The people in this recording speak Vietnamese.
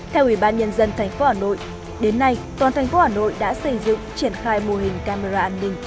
theo ủy ban nhân dân tp hà nội đến nay toàn thành phố hà nội đã xây dựng triển khai mô hình camera an ninh